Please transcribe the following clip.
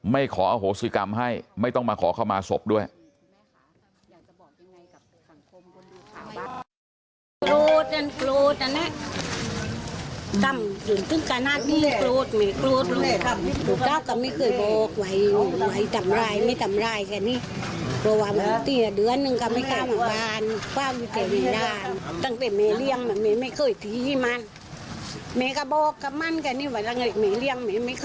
ขออโหสิกรรมให้ไม่ต้องมาขอเข้ามาศพด้วย